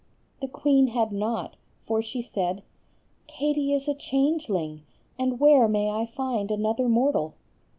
The queen had not, for she said,— "Katie is a changeling, and where may I find another mortal?"